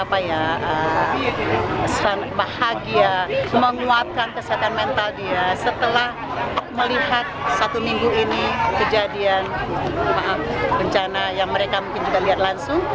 apa ya kesan bahagia menguatkan kesehatan mental dia setelah melihat satu minggu ini kejadian bencana yang mereka mungkin juga lihat langsung